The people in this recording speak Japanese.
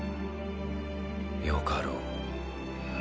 よかろう。